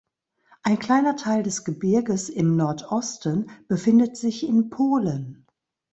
Ein kleiner Teil des Gebirges im Nordosten befindet sich in Polen.